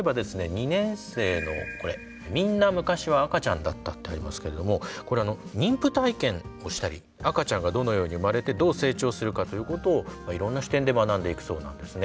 ２年生のこれ「みんなむかしは赤ちゃんだった」ってありますけれどもこれ妊婦体験をしたり赤ちゃんがどのように生まれてどう成長するかということをいろんな視点で学んでいくそうなんですね。